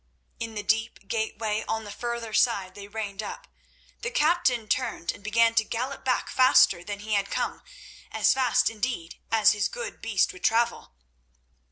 In the deep gateway on the further side they reined up. The captain turned, and began to gallop back faster than he had come—as fast, indeed, as his good beast would travel.